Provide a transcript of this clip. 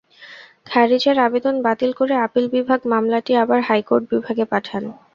খারিজের আবেদন বাতিল করে আপিল বিভাগ মামলাটি আবার হাইকোর্ট বিভাগে পাঠান।